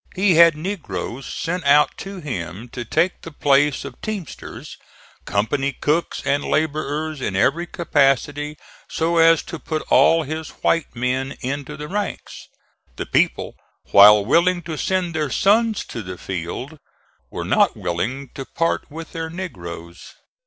He had negroes sent out to him to take the place of teamsters, company cooks and laborers in every capacity, so as to put all his white men into the ranks. The people, while willing to send their sons to the field, were not willing to part with their negroes.